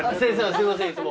すいませんいつも。